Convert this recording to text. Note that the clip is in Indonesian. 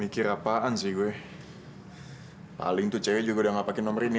ketiga dan tujuh tidak dapat dihubungi